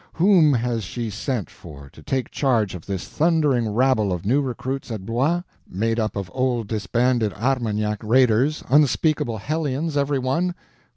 Whom has she sent for to take charge of this thundering rabble of new recruits at Blois, made up of old disbanded Armagnac raiders, unspeakable hellions, every one?